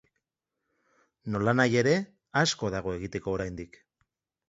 Nolanahi ere, asko dago egiteko oraindik.